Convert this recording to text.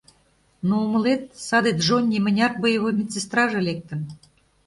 Но, умылет, саде Джонни мыняр боевой медсестраже лектын?